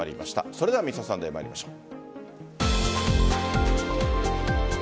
それでは「Ｍｒ．サンデー」参りましょう。